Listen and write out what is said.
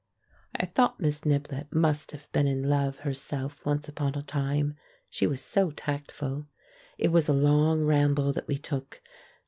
I thought Miss Niblett must have been in love her self once upon a time — she was so tactful. It was a long ramble that we took.